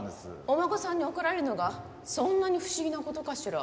お孫さんに怒られるのがそんなに不思議な事かしら？